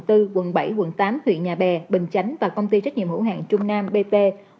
tp hcm tp hcm tp hcm tp hcm và công ty trách nhiệm hữu hàng trung nam bp một nghìn năm trăm bốn mươi bảy